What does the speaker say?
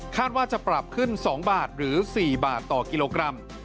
ว่าจะปรับขึ้น๒บาทหรือ๔บาทต่อกิโลกรัม